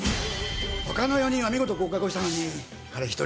他の４人は見事合格をしたのに彼１人。